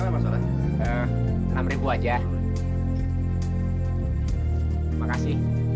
maksudnya anak saya disini